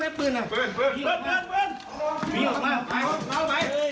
มีกระป๋องล้างมีกระป๋องล้าง